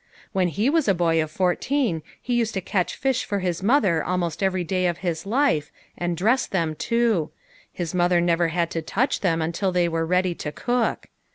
When he was a boy of fourteen he used to catch fish for his mother almost every day of his life, and dress them too ; his mother never had to touch them until they were ready to cook.